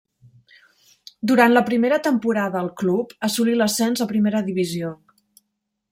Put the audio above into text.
Durant la primera temporada al club assolí l'ascens a primera divisió.